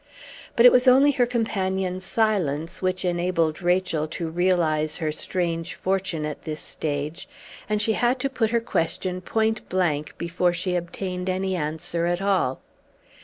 But it was only her companion's silence which enabled Rachel to realize her strange fortune at this stage, and she had to put her question point blank before she obtained any answer at all.